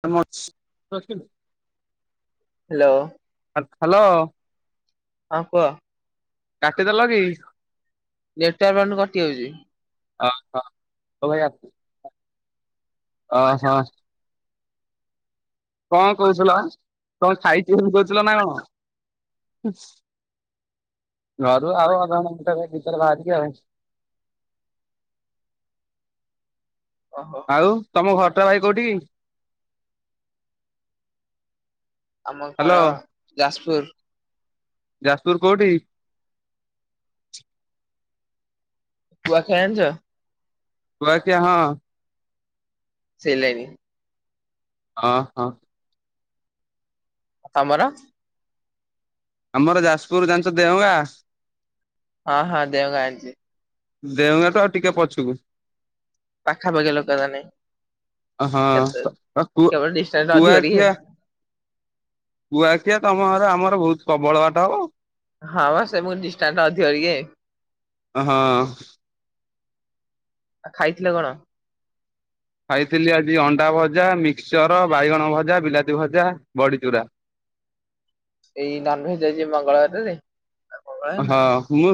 ତ ମୁଁ ଅଛି ରଖିବେ, ହ୍ୟାଲୋ ହା-ହ୍ୟାଲୋ। ହଁ କୁହ। କାଟିଦେଲ କି? ନେଟୱର୍କ ପାଉନି କଟି ଯାଉଛି। ଓ ହୋ ହଉ ଭାଇ ଆ ଓ ହୋ। କଣ କହୁଥିଲ କଣ ଖାଇଛି ବୋଲି କହୁଥିଲ ନା କଣ? ହୁଁ। ଘରୁ ଆଉ ଅଧା ଘଣ୍ଟା କି ଘଣ୍ଟାଏ ଖଣ୍ଡେ ଭିତରେ ବାହାରିବି ଆଉ। ଓହୋ ଆଉ ତମ ଘରଟା ଭାଇ କୋଉଠି କି? ଆମ ଘର ହ୍ୟାଲୋ ଯାଜପୁର। ଯାଜପୁର କୋଉଠି? କୁଆଖିଆ ଜାଣିଛ? କୁଆଖିଆ ହଁ। ସେଇିଲାଇନି ହଁ ହଁ। ତମର? ଆମର ଯାଜପୁର ଜାଣିଛ ଦେଓଙ୍ଗା? ହଁ ହଁ ଦେଓଙ୍ଗା ଜାଣିଛି। ଦେଓଙ୍ଗା ଠୁ ଆଉ ଟିକେ ପଛୁକୁ। ପାଖା ପାଖି ଲୋକ ତାହେନେ। କେତେ ହଁ କେବଳ ଡିଷ୍ଟାନ୍ସ୍ ଟା ଅଧିକ ଟିକେ। କୁଆଖିଆ କୁଆଖିଆ ତମ ଘର ଆମର ବହୁତ ପ୍ରବଳ ବାଟ ହବ ଆଉ। ହଁ ବା ସେ ମୁଁ ଡିଷ୍ଟାନ୍ସ୍ ଅଧିକ ଇଏ। ହଁ ଆ ଖାଇଥିଲେ କଣ? ଖାଇଥିଲି ଆଜି ଅଣ୍ଡା ଭଜା ମିକ୍ସଚର ବାଇଗଣ ଭଜା ବିଲାତି ଭଜା ବଡ଼ିଚୁରା। ଏଇ ନନ୍ ଭେଜ୍ ହେଇଛି ମଙ୍ଗଳବାରରେ ଆଜି ମଙ୍ଗଳବାର ନା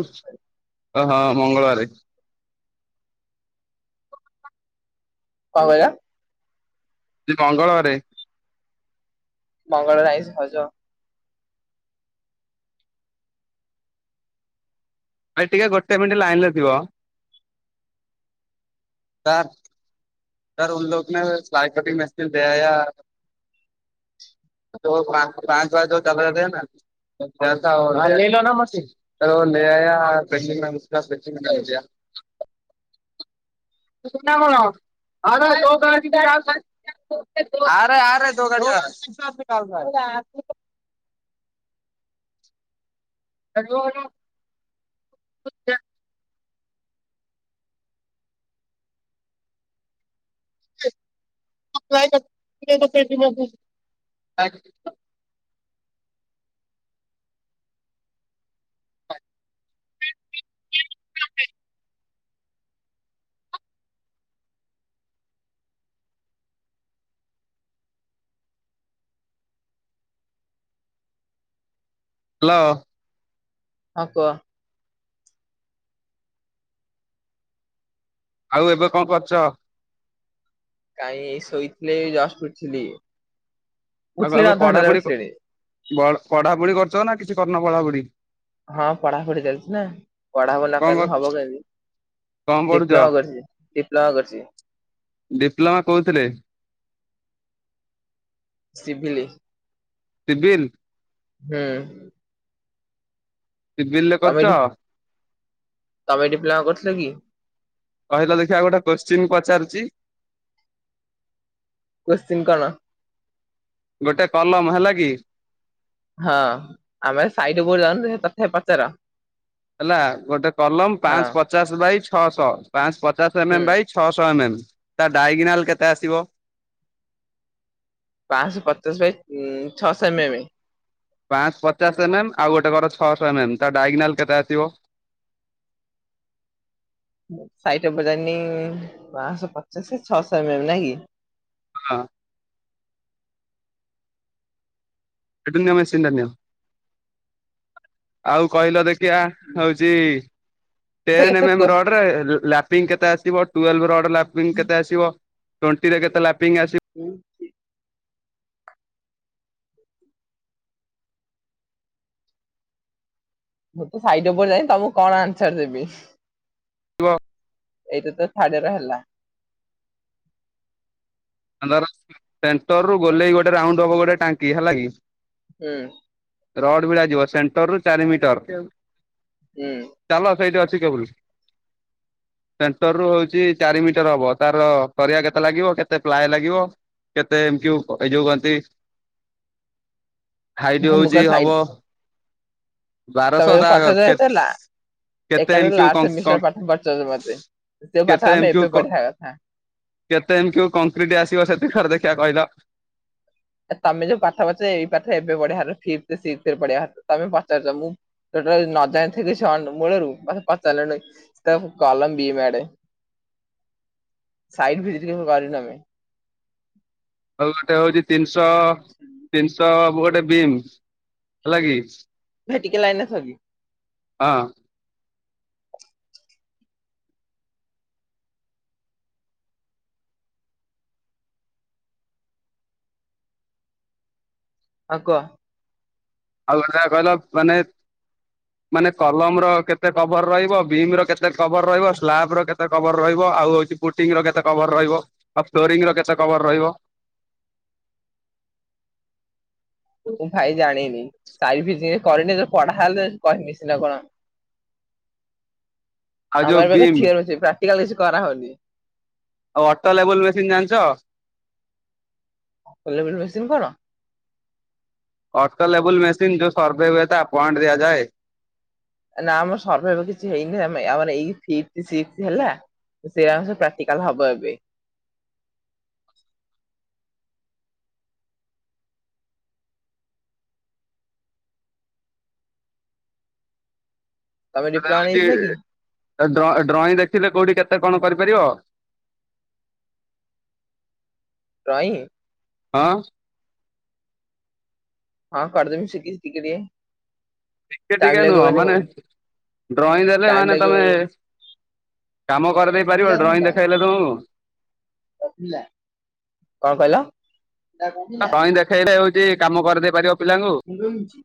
ଶୁକ୍ରବାର। ଓ ହଁ ମଙ୍ଗଳବାରେ। କଁ କହିଲ? ଆଜି ମଙ୍ଗଳବାରେ। ମଙ୍ଗଳବାରେ ଆଇଁଷ ଖାଉଛ? ଆ ଟିକେ ଗୋଟେ ମିନିଟ୍ ଲାଇନ୍ ରେ ଥିବ। ତାର। ସାର୍ ଉନ୍ଲକ୍ନୋରେ ସାଲଇଟ୍ କଟିଂ ମେସିନ୍ ଦିଆୟା ଯୋଉ ପାଁ ପାଁହାଚ ‌ପାଖରେ ଯୋଉ କ୍ୟାମେରାଟାଏ ଆଣି ନାହାନ୍ତି [unintelligible] ସୁନା କଣ ଘରେ ନାହିଁ ବୋଉ କହିଛିଟି ରାହୁଲ ପାଇଁ ଆର ଆର ଯୋଉ ଆରେ କହୁନୁ ଯା ଆ କୁଆଡେ ଯାଉଛ ଟିକେ ଏଇ ଯୋଉ ହାଲୋ। ହଁ କୁହ। ଆଉ ଏବେ କଣ କରୁଛ? କାଇଁ ଏଇ ଶୋଇଥିଲି ଜଷ୍ଟ୍ ଉଠିଲି। ଆଉ ଉଠିଲିଣି ଆଉ ଅଧଘଣ୍ଟା ହେଲା ପଢାପଢି କ ଉଠିଲିଣି ବଢା ପଢାପଢି କରୁଛ ନା କିଛି କରୁନ ପଢାପଢି? ହଁ ପଢା ପଢି ଚାଲିଛି ନା ପଢା ପଢି କଣ ନକଲେ କର ହବ କଣ କେମିତି। ପଢୁଛ? ଡିପ୍ଲୋମା କରିଛି ଡିପ୍ଲୋମା କରିଛି। ଡିପ୍ଲୋମା କୋଉଥିରେ? ସିଭିଲି। ସିଭିଲ୍। ହୁଁ। ସିଭିଲରେ ତମେ କରିଛ? ଏଠି ତମେ ଡିପ୍ଲମା କରିଥିଲ କି? କହିଲା ଦେଖିବା ଗୋଟେ କୋଶ୍ଚିନ୍ ପଚାରୁଛି? କୋଶ୍ଚିନ୍ କଣ? ଗୋଟେ କଲମ ହେଲା କି। ହଁ ଆମେ ସାଇଡ ଉପରକୁ ଯାଉନୁ ତେମେ ତଥାପି ପଚାର। ହେଲା ଗୋଟେ କଲମ ହଁ ପାଞ୍ଚ ପଚାଶ ବାଇ ଛଅଶହ ପାଞ୍ଚ ପଚ ପଚାଶ ଏମ୍ ହୁଁ ଏମ୍ ବାଇ ଛଅଶହ ଏମ୍ ଏମ୍ ତା ଡାଇଗିନାଲ୍ କେତେ ଆସିବ? ପାଞ୍ଚଶହ ପଚାଶ ବାଇ ଛଅଶହ ଏମ୍ ଏମ୍? ପାଞ୍ଚ ପଚାଶ ଏମ୍ ଏମ୍ ଆଉ ଗୋଟେ ଘର ଛଅଶହ ଏମ୍ ଏମ୍ ତା ଡାଇଗନାଲ୍ କେତେ ଆସିବ? ସାଇଟ୍ ଓପରେ ଜାଣିନି ପାଞ୍ଚଶହ ପଚାଶ ଛଅଶହ ଏମ୍ ଏମ୍ ନାଇଁ କି? ହଁ। ସେଠୁ ନିଅ ମେସିନ୍ ଟା ନିଅ। ଆଉ କହିଲ ଦେଖିବା ହଉଚି ତ ଟେନ୍ ଏତେ ଏମ୍ ଏମ୍ କୋଶ୍ଚି ରଡ଼ ରେ ଲାପିଙ୍ଗ କେତେ ଆସିବ ଟୁଏଲଭ ରଡ୍ ଲାପିଙ୍ଗ କେତେ ଆସିବ? ଟ୍ୱେଣ୍ଟିରେ କେତେ ଲାପିଙ୍ଗ୍ ଆସିବ? ମୁଁ ତ ସାଇଟ ଉପରେ ଯାଇନି ତମକୁ କଣ ଆନ୍ସର ଦେବି। [unintelligible] ଏଇଟା ତ ଥାର୍ଡ ଇଅର୍ ହେଲା। ଧର ସେଣ୍ଟର ରୁ ଗଲେଇ ଗୋଟେ ରାଉଣ୍ଡ ହବ ଗୋଟେ ଟାଙ୍କି ହେଲା କି। ହୁଁ। ରଡ୍ ଭିଡା ଯିବ ସେଣ୍ଟର ରୁ ଚାରି ମିଟର ହୁଁ ଚାଲ ସେଇଠି ଅଛି ଛି କେବୁଲ୍ ସେଣ୍ଟର ରୁ ହଉଛି ଚାରି ମିଟର ହବ ତାର କରିବା କେତେ ଲାଗିବ କେତେ ପ୍ଲାଏ ଲାଗିବ କେତେ ଏମତି ଏଇ ଯୋଉ କହନ୍ତି ହାଇଟି ଭାଇ ମୁଁ ହଉଛି କଣ ହବ ସାଇଟ୍ ତମେ ବାରଶହ ଏ ତା ପାଠ ଜାଣିଛ ନା? କେତେ ଏମ୍ ଏକାଥରେ କ୍ୟୁ କଂ ଲାଷ୍ଟ ବିଷୟ କଂ ପାଠ ପଚରୁଚ ମତେ। ସେ କେତେ ପାଠ ଏମ୍ ଆମେ କ୍ୟୁ ଏବେ କ ପଢିବା କଥା। କେତେ ଏମ୍ କ୍ୟୁ କଂକ୍ରିଟ ଆସିବ ସେତି କର ଦେଖିବା କହିଲ। ଏ ତମେ ଯୋଉ ପାଠ ପଚା ଏଇ ପାଠ ଏବେ ପଢ଼ିବାର ଫିପ୍ଥ ସିକ୍ସଥ ପଢିଆ କଥା। ତମେ ପଚାରୁଛ ମୁଁ ଯୋଉଟା ନଜାଣି ଥିବି ସେ ମୂଳରୁ ମତେ ପଚାରିଲଣି କଲମ ବି ମେଡ୍ ସାଇଟ ଭିଜିିଟ୍ କେବେ କରିନୁ ଆମେ। ଆଉ ଗୋଟେ ହଉଛି ତିନିଶହ ତିନିଶହ ଗୋଟେ ବିମ୍ ହେଲା କି? ଭାଇ ଟିକେ ଲାଇନରେ ଥ କି? ହଁ। ଆଉ କୁହ। ଆଉ ଗୋଟେ ଦେଖିଆ କହିଲ ମାନେ ମାନେ କଲମ୍ ର କେତେ କଭର ରହିବ? ବିମ୍ ର କେତେ କଭର ରହିବ? ସ୍ଲାବ୍ ର କେତେ କଭର ରହିବ? ଆଉ ହଉଛି ପୁଟିଂ ର କେତେ କଭର ରହିବ? ଆଉ ଫ୍ଲୋରିଂ ର କେତେ କଭର ରହିବ? ମୁଁ ଭାଇ ଜାଣିନି। ସାଇଟ୍ ଭିଜିଂ କରିନି ପଢା ହେଲେ କହିବି ସିନା କଣ। ଆଉ ଆମର ଯୋଉ ଏବେ ଖାଲି ବିମ୍ ଥିଓରୀ ହଉଛି। ପ୍ରାକ୍ଟିକାଲ କିଛି କରା ହଉନି। ଆଉ ଅଟୋ ଲେବୁଲ ମେସିନ୍ ଜାଣିଛ? ଅଟୋ ଲେବୁଲ ମେସିନ୍ କଣ? ଅଟୋ ଲେବୁଲ ମେସିନ୍ ଯୋଉ ସର୍ଭେ ହୁଏ ତା ପଏଣ୍ଟ ଦିଆଯାଏ। ନା ଆମର ସର୍ଭେ ଫେ କିଛି ହେଇନି ଆମର ଏଇ ଫିପ୍ଥି ସିକ୍ସଥ ହେଲା ସେଇଆ ଅନୁସାରେ ପ୍ରାକ୍ଟିକାଲ ହବ ଏବେ। ତମେ ଡିପ୍ଲୋମା ନେଇଥିଲ କି? ଡ ଡ୍ର ଡ୍ରଇଂ ଦେଖିଲେ କୋଉଠି କେତେ କଣ କରିପାରିବ? ଡ୍ରଇଁ। ହଁ। ହଁ କରିଦେବି ଶିଖିଛି ଟିକେ ଟିକେ ଟିକେ ଟାଇମ୍ ଟିକେ ଲାଗିବ ନୁହଁ ବୋଧେ ମାନେ ଡ୍ରଇଂ ଦେଲେ ଟାଇମ୍ ମାନେ ଲାଗିବ ତମେ କାମ କରିଦେଇ ପାରିବ ଡ୍ରଇଂ ଦେଖେଇଲେ ତୁମକୁ। କଣ କହି? ଡ୍ରଇଁ ଦେଖେଇଲେ ହଉଛି କାମ କରିଦେଇ ପାରିବ। ପିଲାଙ୍କୁ ମୁଣ୍ଡ ବିନ୍ଧୁଛି।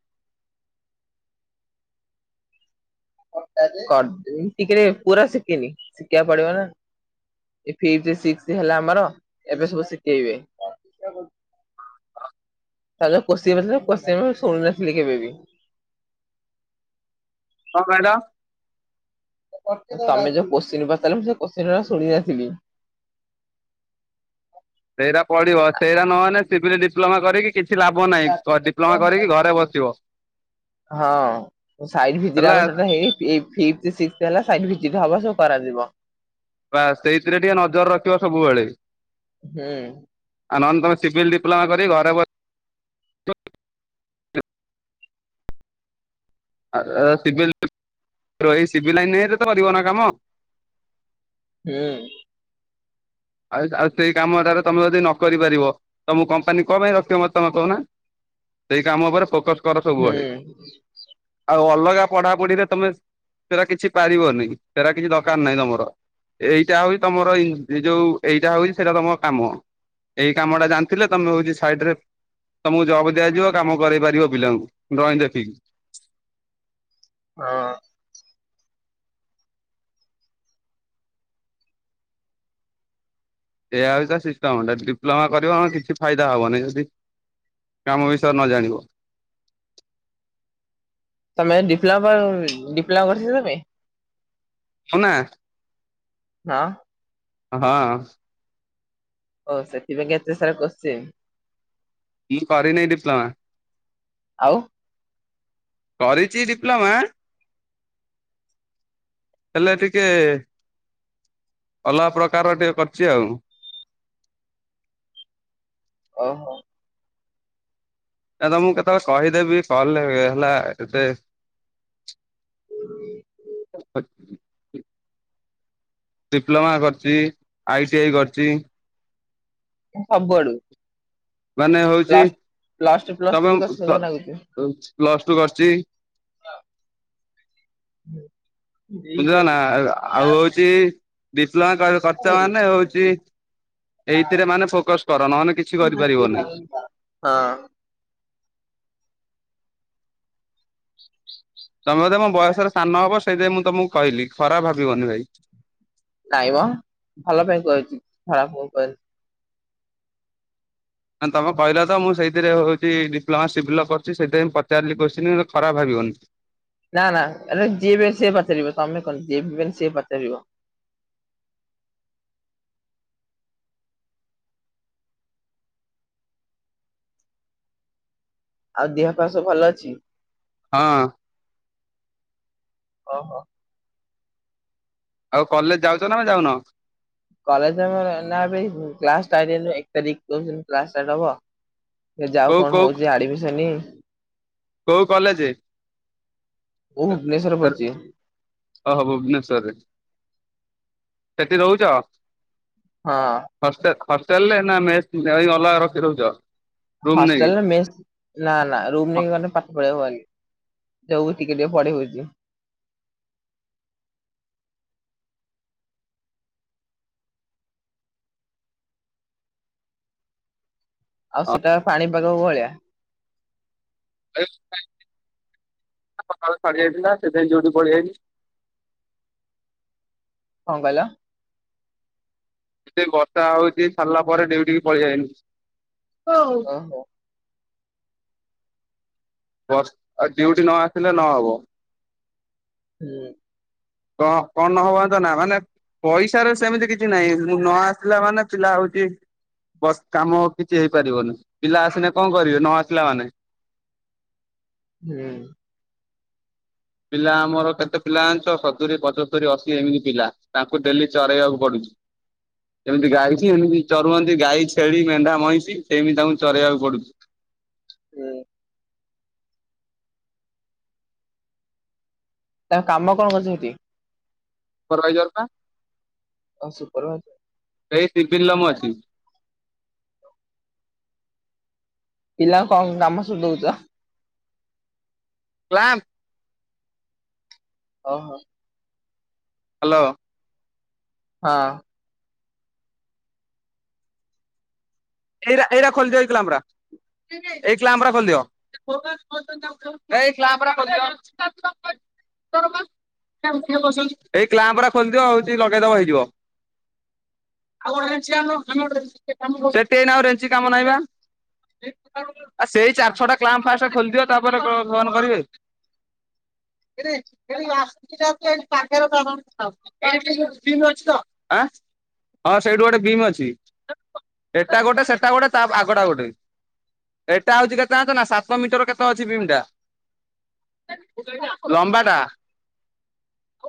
କରଦେବି ଟିକେ ପୁରା ଶିଖିନି ଶିଖିବାକୁ ପଡିବ ନା। ଫିଥ ସିକ୍ସ ହେଲା ଆମର ଏବେ ସବୁ ଶିକେଇବେ। [unintelligible] [inaudible] ଶୁଣୁନଥିଲି କେବେ ବି। କଣ କହିଲ? ତମେ ଯୋଉ କୋଶ୍ଚିିନ ପଚାରିଲ ମୁ ସେ କୋଶ୍ଚିିନ ଗୁରା ଶୁଣି ନଥିଲି। ସେଇରା ପଡିବ ସେଇରା ନହେଲେ ସିବିଲ ଡିପ୍ଲୋମା କରିକି କିଛି ଲାଭ ନାଇଁ ଡିପ୍ଲୋମା କରିକି ଘରେ ବସିବ। ହଁ ସାଇଡ୍ ଭିଜିଟ ହେଲା ଆମର ଟୋଟାଲ ହେଇନି ଏଇ ଫିଫଥ ସିକ୍ସଥ ହେଲା ସାଇଡ୍ ଭିଜିଟ ହବ ସବୁ କରା ଯିବ। ବାସ ସେଇଥିରେ ଟିକେ ନଜର ରଖିବ ସବୁବେଳେ। ହୁଁ। ଆଉ ନହେଲେ ତୁମେ ସିଭିଲ୍ ଡିପ୍ଲୋମା କରି ଘରେ ବସିଥିବ ଏଇ ସିଭିଲ ରହି ସିଭିଲ ଲାଇନ ରେ ତ କରିବ ନା କାମ। ହୁଁ। ଆଉ ଆଉ ସେଇ କାମଟାରେ ତମେ ଯଦି ନ କରିପାରିବ ତମକୁ କମ୍ପାନୀ କଣ ପାଇଁ ରଖିବ ମତେ ତମେ କହୁନା। ସେଇ କାମ ଉପରେ ଫୋକସ କର ହୁଁ। ସବୁବେଳେ ଆଉ ଅଲଗା ପଢାପଢିରେ ତମେ ହେରା କିଛି ପାରିବନି ହେରା କିଛି ଦରକାର ନାହିଁ ତମର ଏଇଟା ହଉ ତମର ଏ ଯୋଉ ଏଇଟା ହଉଛି ସେଇଟା ତମ କାମ ଏଇ କାମଟା ଜାଣିଥିଲେ ତମେ ହଉଛି ସାଇଡ ରେ ତମକୁ ଜବ ଦିଆଯିବ କାମ କରେଇ ପାରିବ ପିଲାଙ୍କୁ ଡ୍ରଇଂ ଦେଖିକି। ହଁ। ଏୟା ହଉଛି ତା ସିଷ୍ଟମ ଟା ଡିପ୍ଲୋମା କରିବ ହଁ କିଛି ଫାଇଦା ହବନି ଯଦି କାମ ବିଷୟରେ ନ ଜାଣିବ। ତମେ ଡିପ୍ଲୋମା ଡିପ୍ଲୋମା କରିଥିଲ ତମେ? ଶନା। ନାଁ। ହଁଅଁ। ଓ ସେଥିପାଇକି ଏତେ ସାରା କୋସଚୀନ। ମୁଁ କରିନିଁ ଡିପ୍ଲୋମା। ଆଉ। କରିଛି ଡିପ୍ଲୋମା ହେଲେ ଟିକେ ଅଲଗା ପ୍ରକାରର ଟିକେ କରିଛି ଆଉ। ଅ ହୋ। କାରଣ ମୁଁ କେତେବେଳେ କହିଦେବି କଲରେ ହେଲା କେତେ, ଆ [unintelligible] ଡିପ୍ଲୋମା କରିଚି ଆଇ ଟି ଆଇ କରିଚି। ସବୁଆଡୁ ମାନେ ହଉଛି ପ୍ଲସ୍ ପ୍ଲସ ଟୁ ପ୍ଲସ ତମେ ଥ୍ରୀ କରିଥିଲ ଯାହା ଲାଗୁଛି। ପ୍ଲସ ଟୁ କରିଚି। [unintelligible] ହୁଁ ବୁଝିଲ ନା -ଆଉ ହଉଛି ଡିପ୍ଲୋମା କରିଚ ହଁ ମାନେ ହଉଛି ଏଇଥିରେ ମାନେ ଫୋକସ କର, ନହଲେ କିଛି କରିପାରିବନି। ତମେ ବୋଧେ ମୋ ବୟସରେ ସାନ ହବ, ସେଇଥିପାଇଁ ମୁଁ ତମକୁ କହିଲି ଖରାପ ଭାବିବନି ଭାଇ। ନାଇ ମ, ଭଲ ପାଇଁ କୁହାହେଇଛି, ଖରାପ [unintelligible] ନା ତମେ କହିଲ ତ ମୁଁ ସେଇଥିରେ ହେଉଛି ଡିପ୍ଲୋମା ସିବଭିଲ କରୁଛି, ସେଇଥିପାଇଁ ପଚାରିଲି କୋସଚିନି ଖରାପ ଭାବିବ। [unintelligible] ନା ନା ଯିଏବି, ସେ ପଚାରିବ ତମେ କଣ? ଯିଏବି ପାଇନେ ସିଏ ପଚାରିବ। [inaudible] ଆଉ ଦେହ ପା ସବୁ ଭଲ ଅଛି। ହଁ ଅଁ ଓ ହ ଆଉ କଲେଜ ଯାଉଛ ନା ଯାଉନ? କଲେଜ ଏବେ କ୍ଲାସ ଷ୍ଟାଟ ହେଇନି, ଏକ ତାରିଖ କହିଚନ୍ତି କ୍ଲାସ ଷ୍ଟାଟ ହେବ। ସେ ଯାଉ କୋଉ କଣ କୋଉ ହଉଛି ଆଡମିସନି କୋଉ କଲେଜ? ମୁଁ ଭୁବନେଶ୍ଵର ପଢୁଛି [unintelligible] ଓ ହ ଭୁବନେଶରରେ। ସେଠି ରହୁଛ? ହଁ ଅ ହଷ୍ଟେ ହଷ୍ଟେଲରେ ନା ମେସ ଅଲଗା ରଖି ରହୁଛ? ରୁମ ନେଇକି? ହଷ୍ଟେଲ ରେ ମେସ ନା ନା ରୁମ ନେଇଗଲେ ପାଠ ପ ନଉଛିି ଟିକେ ପଢେଇ ହଉଛି। ଆଉ ସେଟା ପାଣିପାଗକୁ ଭଳିଆ [unintelligible] ସକାଳୁ ଛାଡି ଯାଇଥିଲା ସେଥିପାଇଁ ଯୋଉଠି [unintelligible] କଣ କହିଲ? ଏ ବର୍ଷା ହଉଛି ସାରିଲା ପରେ ଡିଉଟିକି ପଳେଇ ଆଇନି। ହଉ ଓହୋ ବ ଡିଉଟି ନ ଆସିଲେ ନହବ। ହୁଁ ଉଁ କ କଣ ନହବ ତ ନା ମାନେ ପଇସା ର ସେମିତି କିଛି ନାହିଁ, ମୁଁ ନ ଆସିଲା ମାନେ ଚିଲା ହଉଛି। ବାସ୍ କାମ କିଛି ହେଇପାରିବନି, ପିଲା ଆସିଲେ କଣ କରିବେ? ନ ଆସିଲା ମାନେ [inaudible] ହୁଁ ପିଲା ଆମର କେତେ ପିଲା ଆଣିଛ, ସତୁରି, ପଞ୍ଚସ୍ତରି, ଅଶୀ ଏମିତି ପିଲା, ତାଙ୍କୁ ଡେଲି ଚରେଇବାକୁ ପଡୁଛି ହଁ ଏମିତି ଗାଈଛି ଏମିତି ଚରୁହନ୍ତି ଗାଈ ଛେଳି ମେଣ୍ଢା ମଇଁଷି ସେମିତି ତାଙ୍କୁ ଚରେଇବାକୁ ପଡୁଛି। [inaudible] [unintelligible] ତା କାମ କଣ କରୁଛି ହେଠି? ସୁପରଭାଇଜର ପା ଆଉ ସୁପରଭାଇଜର। [unintelligible] ପିଲା କଣ ନାମ ସବ ଦଉଛ। କ୍ଲାମ୍ ଓ ହୋ ହ୍ୟାଲୋ। ହଁ। ଏଇ ଏରା ଖୋଲିଦିଅ ଏଇ କ୍ଲାମ୍ପରା। ଏଇ କ୍ଲାମ୍ପ ରା ଖୋଲିଦିଅ, ଭାଇ ଏଇ କ୍ଲାମ୍ପ ରା ଖୋଲି ଦିଅ। ଭିତରଟା [unintelligible] ଏଇ କ୍ଲାମ୍ପ ରା ଖୋଲିଦିଅ ହଉଚି ଲଗେଇଦବ ହେଇଯିବ। ଆଉ ଗୋଟେ ରେଞ୍ଚି ଆଣିଲ ଆଣିଲ ଗୋଟେ ରେଞ୍ଚି ଟିକେ କାମ ସେଠି ଏଇନା ଆଉ ରେଞ୍ଚି କାମ ନାହିଁ ବା। ଆ ସେଇ ଚାରି ଛଅ ଟା କ୍ଲାମ୍ପ ଫାଷ୍ଟ୍ ଖୋଲିଦିଅ ତାପରେ କଣ ଫୋନ୍ କରିବେ? [unintelligible] କିରେ ସେଠି ଆସୁଛି ଯଦି ସେଠି ପାଖରେ ଟାଣ [unintelligible] ବିମ୍ ଅଛି ତ, ଆଁ? ହଁ ସେଇଠୁ ଗୋଟେ ବିମ୍ ଅଛି। ଏଟା ଗୋଟେ ସେଟା ଗୋଟେ ତା ଆଗଟା ଗୋଟେ। ଏଟା ହଉଛି କେତେ ଜାଣିଛନା ସାତ ମିଟର କେତେ ଅଛି ବିମ୍ ଟା। କୋଉଟା ଏଇଟା? ଲମ୍ବା ଟା।